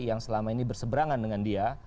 yang selama ini berseberangan dengan dia